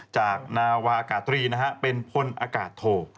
จากนาวากาศรีนะครับเป็นพลอากาศโท